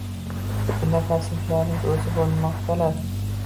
Bunda farzandlarimiz o’sib-unmoqdalar.